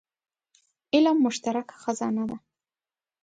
علم مشترکه خزانه ده.